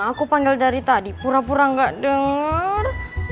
kama aku panggil dari tadi pura pura gak denger